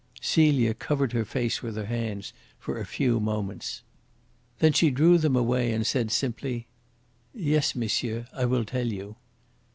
Celia covered her face with her hands for a few moments. Then she drew them away and said simply: "Yes, monsieur, I will tell you."